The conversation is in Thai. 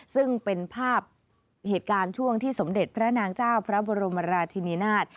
ซึ่งเป็นภาพเหตุการณ์ช่วงที่สมเด็จพระนางเจ้าพระบรมราชินินาศ